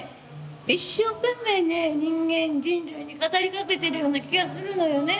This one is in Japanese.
一生懸命ね人間人類に語りかけてるような気がするのよね。